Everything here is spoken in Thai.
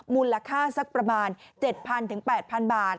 มูลค่าสักประมาณ๗๐๐๘๐๐บาท